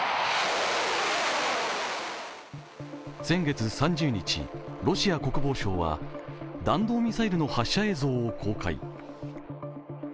先月３０日、ロシア国防省は弾道ミサイルの発射映像を公開。